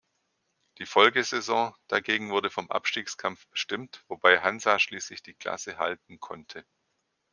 Die Folgesaison dagegen wurde vom Abstiegskampf bestimmt, wobei Hansa schließlich die Klasse halten konnte.